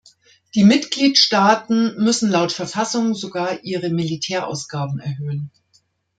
Die Mitgliedstaaten müssen laut Verfassung sogar ihre Militärausgaben erhöhen.